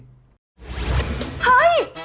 เฮ้ย